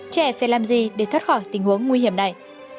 trẻ phải làm gì để thoát khỏi tình huống nguy hiểm này